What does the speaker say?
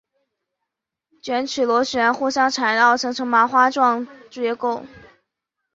卷曲螺旋互相缠绕形成麻花状结构。